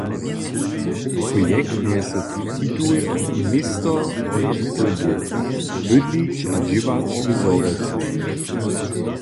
Projekt njese titul "Město na probu – bydlić a dźěłać w Zhorjelcu".